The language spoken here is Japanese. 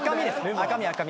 赤身赤身。